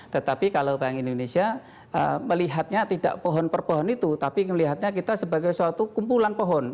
tetapi kalau orang indonesia melihatnya tidak pohon per pohon itu tapi melihatnya kita sebagai suatu kumpulan pohon